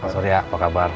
pak surya apa kabar